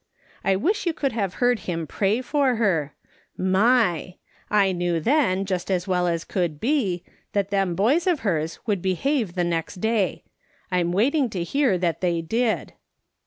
I wish you could have heard him pray for her ! My ! I knew then, jest as well as could be, that them boys of hers would behave the next day. I'm waiting to hear that they did.